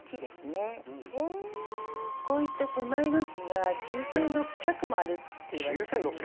こういった狭い路地が９，６００もあるっていわれてるんです。